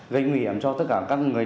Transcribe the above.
gây nguy hiểm cho tất cả các người